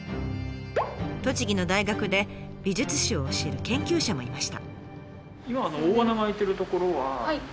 栃木の大学で美術史を教える研究者もいました。